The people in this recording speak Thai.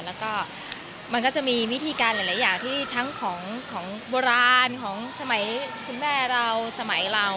แล้วก็มันก็จะมีวิธีการหลายอย่างที่ทั้งของโบราณของสมัยคุณแม่เราสมัยเรา